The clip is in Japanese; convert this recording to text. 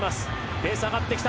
ペース上がってきた。